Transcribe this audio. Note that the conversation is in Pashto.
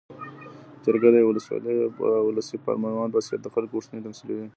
جرګه د یوه ولسي پارلمان په څېر د خلکو غوښتنې تمثیلوي.